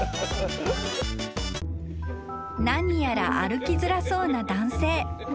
［何やら歩きづらそうな男性］